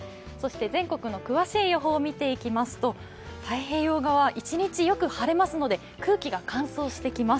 全国の詳しい予報を見ていきますと、太平洋側は一日よく晴れますので空気が乾燥してきます。